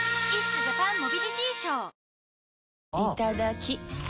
いただきっ！